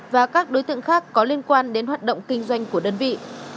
và các đối tượng khác có liên quan đến hoạt động kinh doanh của đơn vị